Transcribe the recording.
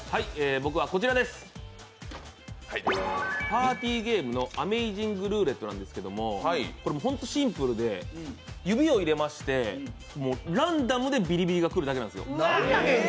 パーティーゲームの「アメイジングルーレット」なんですけど、ホントにシンプルで指を入れてランダムでビリビリが来るだけなんですよ。